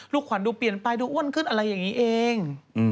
ขวัญดูเปลี่ยนไปดูอ้วนขึ้นอะไรอย่างนี้เอง